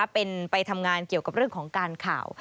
เป็นไปทำงานเกี่ยวกับเรื่องของการข่าว